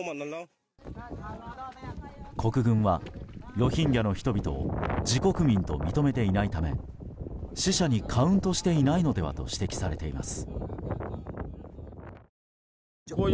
国軍はロヒンギャの人々を自国民と認めていないため死者にカウントしていないのではと指摘されています。